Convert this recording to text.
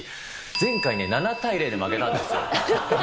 前回ね、７対０で負けたんです。